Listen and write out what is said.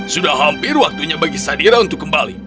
sudah hampir waktunya bagi sadira untuk kembali